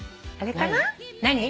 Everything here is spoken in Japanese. あれかな？